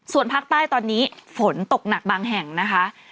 ส่วนภาคใต้ตอนนี้ฝนตกหนักบางแห่งนะคะ